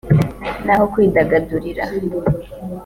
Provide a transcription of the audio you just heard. n’aho kwidagadurira